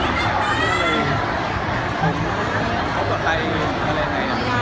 ไม่รู้เหมือนกันอย่างไร